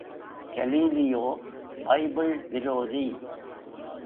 Galileo Bible விரோதி!